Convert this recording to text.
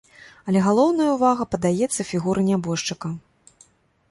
Але галоўная ўвага падаецца фігуры нябожчыка.